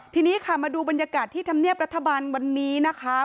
ทีนี้ค่ะมาดูบรรยากาศที่ธรรมเนียบรัฐบาลวันนี้นะคะ